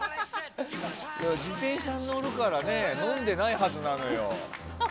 自転車に乗るから飲んでないはずなのよ。